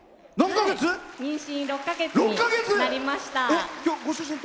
妊娠６か月になりました。